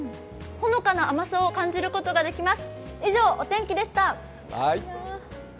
ほのかな甘さを感じることができます。